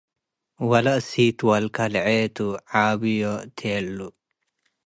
ወለእሲ'ት፤ “ወልካ ሌዐ ቱ፡ ዓብዮ” ቴሉ።